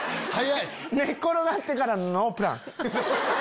寝っ転がってからのノープラン。